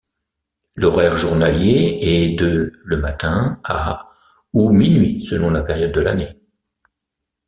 L'horaire journalier est de le matin à ou minuit selon la période de l'année.